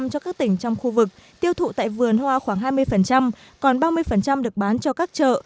cho các tỉnh trong khu vực tiêu thụ tại vườn hoa khoảng hai mươi còn ba mươi được bán cho các chợ